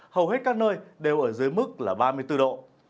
hầu hết các nơi đều ở dưới mức là ba mươi bốn độ